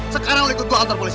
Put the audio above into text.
sekarang lo ikut gua altar polisi